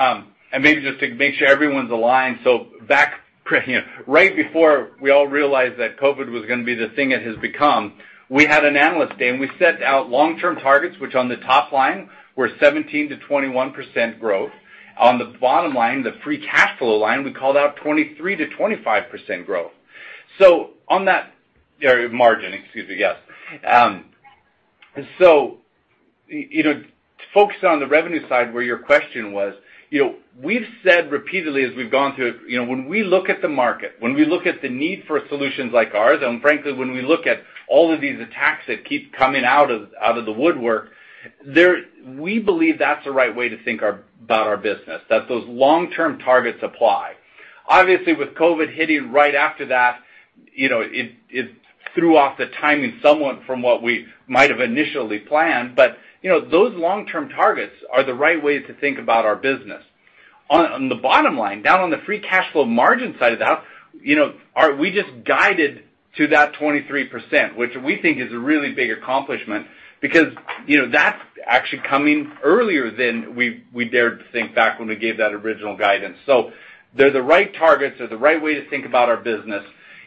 Maybe just to make sure everyone's aligned. Back you know, right before we all realized that COVID was gonna be the thing it has become, we had an analyst day, and we set out long-term targets, which on the top line were 17%-21% growth. On the bottom line, the free cash flow line, we called out 23%-25% growth. On that margin, excuse me, yes. You know, to focus on the revenue side where your question was, you know, we've said repeatedly as we've gone through it, you know, when we look at the market, when we look at the need for solutions like ours, and frankly, when we look at all of these attacks that keep coming out of the woodwork, we believe that's the right way to think about our business, that those long-term targets apply. Obviously, with COVID hitting right after that, you know, it threw off the timing somewhat from what we might have initially planned, but, you know, those long-term targets are the right way to think about our business. On the bottom line, down on the free cash flow margin side of the house, you know, we just guided to that 23%, which we think is a really big accomplishment because, you know, that's actually coming earlier than we dared to think back when we gave that original guidance. They're the right targets. They're the right way to think about our business.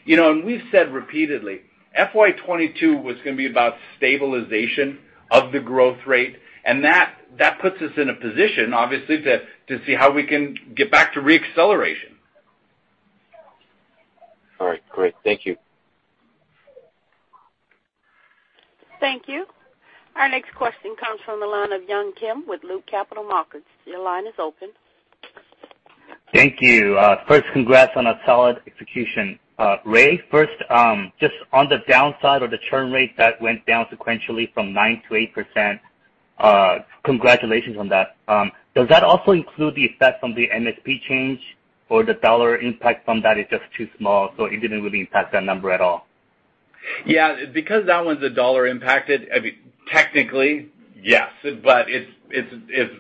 You know, we've said repeatedly, FY 2022 was gonna be about stabilization of the growth rate, and that puts us in a position, obviously, to see how we can get back to re-acceleration. All right, great. Thank you. Thank you. Our next question comes from the line of Yun Kim with Loop Capital Markets. Your line is open. Thank you. First congrats on a solid execution. Rafe, first, just on the downside of the churn rate that went down sequentially from 9% to 8%, congratulations on that. Does that also include the effect from the MSP change or the dollar impact from that is just too small, so it didn't really impact that number at all? Yeah, because that one's $1 impacted, I mean, technically, yes, but it's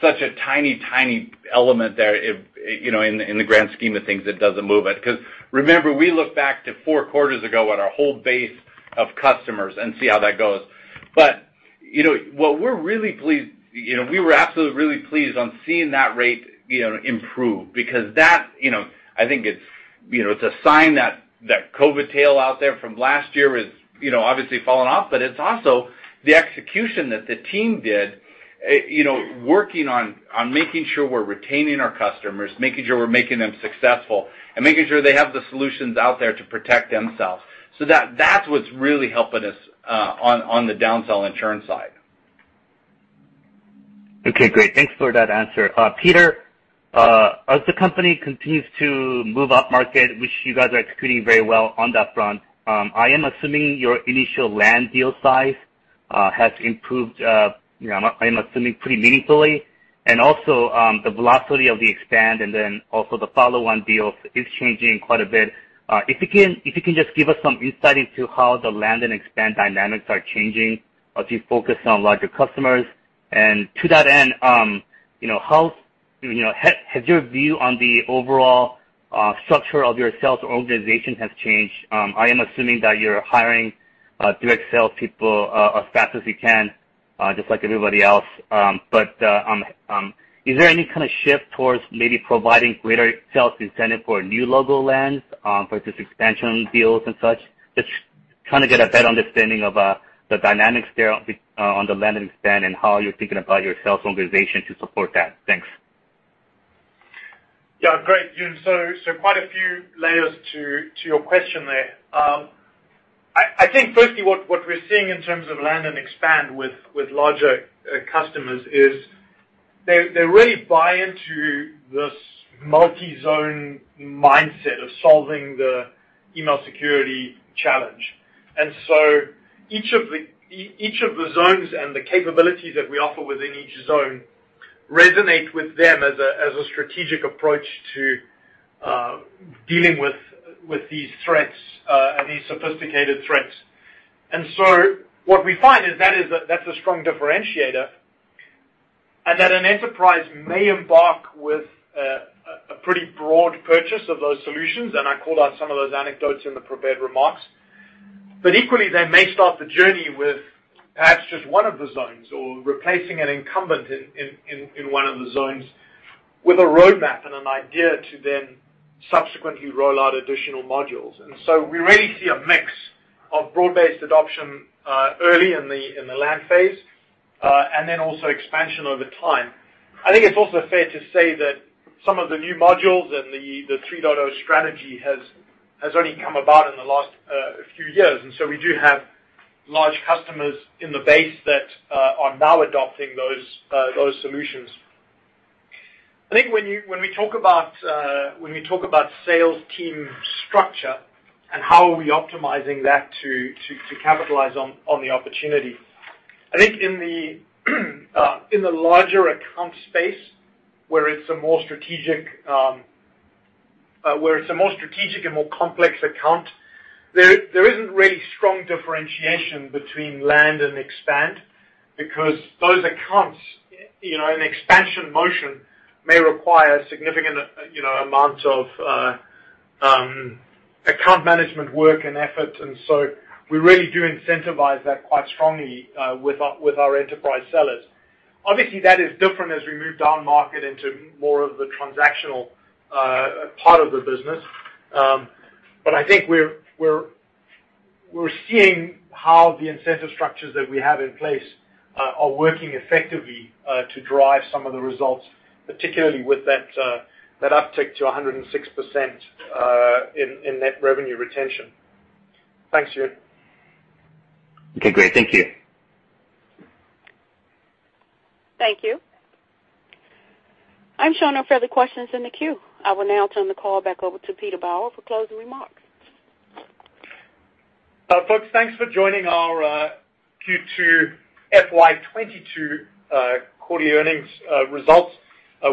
such a tiny element there, it, you know, in the grand scheme of things, it doesn't move it. 'Cause remember we look back to four quarters ago at our whole base of customers and see how that goes. You know, what we're really pleased, you know, we were absolutely really pleased on seeing that rate, you know, improve because that, you know, I think it's a sign that that COVID tail out there from last year is, you know, obviously falling off, but it's also the execution that the team did, you know, working on making sure we're retaining our customers, making sure we're making them successful and making sure they have the solutions out there to protect themselves. That's what's really helping us on the down-sell and churn side. Okay, great. Thanks for that answer. Peter, as the company continues to move upmarket, which you guys are executing very well on that front, I am assuming your initial land deal size has improved, you know, I'm assuming pretty meaningfully and also, the velocity of the expand and then also the follow-on deals is changing quite a bit. If you can just give us some insight into how the land and expand dynamics are changing as you focus on larger customers. To that end, you know, how, you know, has your view on the overall structure of your sales organization has changed? I am assuming that you're hiring direct sales people as fast as you can, just like everybody else. Is there any kind of shift towards maybe providing greater sales incentive for new logo lands, for just expansion deals and such? Just trying to get a better understanding of the dynamics there on the land and expand and how you're thinking about your sales organization to support that? Thanks. Yeah. Great, Yun. Quite a few layers to your question there. I think firstly what we're seeing in terms of land and expand with larger customers is they really buy into this multi-zone mindset of solving the email security challenge. Each of the zones and the capabilities that we offer within each zone resonate with them as a strategic approach to dealing with these threats and these sophisticated threats. What we find is that's a strong differentiator and that an enterprise may embark with a pretty broad purchase of those solutions, and I called out some of those anecdotes in the prepared remarks. Equally, they may start the journey with perhaps just one of the zones or replacing an incumbent in one of the zones with a roadmap and an idea to then subsequently roll out additional modules. We really see a mix of broad-based adoption early in the land phase and then also expansion over time. I think it's also fair to say that some of the new modules and the 3.0 strategy has only come about in the last few years, and so we do have large customers in the base that are now adopting those solutions. I think when we talk about sales team structure and how we are optimizing that to capitalize on the opportunity, I think in the larger account space where it's a more strategic and more complex account, there isn't really strong differentiation between land and expand because those accounts, you know, an expansion motion may require significant, you know, amounts of account management work and effort. We really do incentivize that quite strongly with our enterprise sellers. Obviously that is different as we move down market into more of the transactional part of the business. I think we're seeing how the incentive structures that we have in place are working effectively to drive some of the results, particularly with that uptick to 106% in net revenue retention. Thanks, Yun. Okay, great. Thank you. Thank you. I'm showing no further questions in the queue. I will now turn the call back over to Peter Bauer for closing remarks. Folks, thanks for joining our Q2 FY 2022 quarterly earnings results.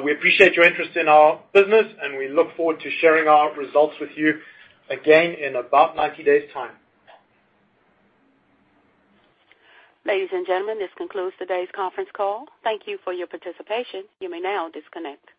We appreciate your interest in our business, and we look forward to sharing our results with you again in about 90 days' time. Ladies and gentlemen, this concludes today's conference call. Thank you for your participation. You may now disconnect.